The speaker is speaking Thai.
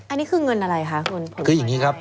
อันนี้คือเงินอะไรคะ